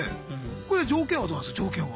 これ条件はどうなんすか条件は。